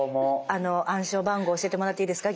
暗証番号教えてもらっていいですか？